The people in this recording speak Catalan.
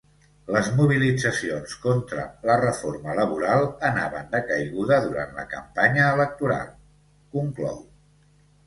Les mobilitzacions contra la reforma laboral anaven de caiguda durant la campanya electoral, conclou.